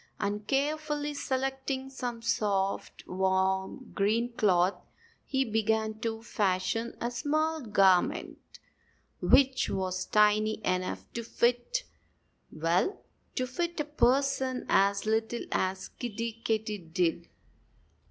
And carefully selecting some soft, warm, green cloth he began to fashion a small garment, which was tiny enough to fit well, to fit a person as little as Kiddie Katydid.